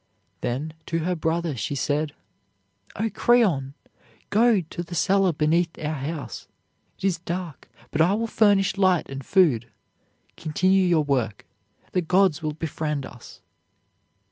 Then to her brother she said: "O Creon, go to the cellar beneath our house. It is dark, but I will furnish light and food. Continue your work; the gods will befriend us."